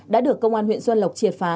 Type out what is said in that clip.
đã được công an huyện xuân lộc triệt phá